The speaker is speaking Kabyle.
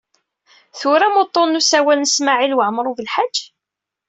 Turam uḍḍun n usawal n Smawil Waɛmaṛ U Belḥaǧ?